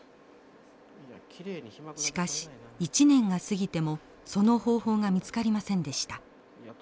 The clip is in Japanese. しかし１年が過ぎてもその方法が見つかりませんでした。